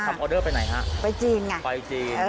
ออเดอร์ไปไหนฮะไปจีนไงไปจีน